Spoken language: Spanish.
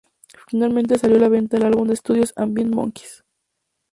Finalmente salió a la venta el álbum de estudio "Ambient Monkeys.